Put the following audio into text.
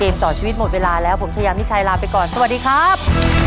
ต่อชีวิตหมดเวลาแล้วผมชายามิชัยลาไปก่อนสวัสดีครับ